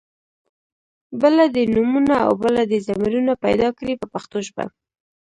بله دې نومونه او بله دې ضمیرونه پیدا کړي په پښتو ژبه.